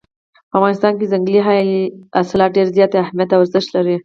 په افغانستان کې ځنګلي حاصلات ډېر زیات اهمیت او ارزښت لري.